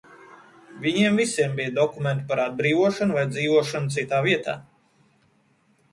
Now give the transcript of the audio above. Viņiem visiem bija dokumenti par atbrīvošanu, vai dzīvošanu citā vietā.